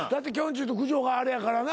ちぃと九条があれやからな。